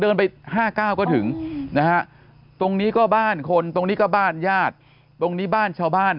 เดินไป๕๙ก็ถึงนะฮะตรงนี้ก็บ้านคนตรงนี้ก็บ้านญาติตรงนี้บ้านชาวบ้าน